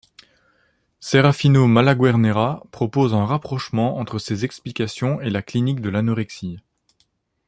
Serafino Malaguarnera propose un rapprochement entre ces explications et la clinique de l’anorexie.